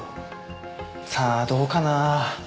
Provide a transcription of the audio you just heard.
さあどうかな。